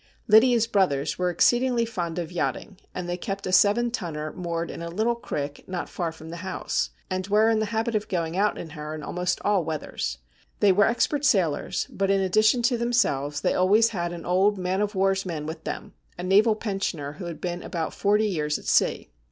Lydia's brothers were exceedingly fond of yachting, and they kept a seven tonner moored in a little creek not far from the house, and were in the habit of going out in her in almost all weathers. They were expert sailors, but in addition to themselves they always had an old man of war's man with them, a naval pensioner who had been about forty years at sea.